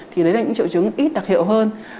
thì đấy là những triệu chứng ít đặc hiệu hơn